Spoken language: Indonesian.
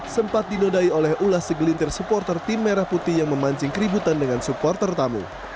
sempat dinodai oleh ulas segelintir supporter tim merah putih yang memancing keributan dengan supporter tamu